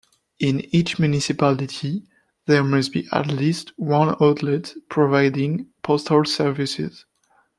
In each municipality there must be at least one outlet providing postal services.